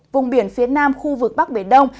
vùng biển phía nam khu vực bắc biển đông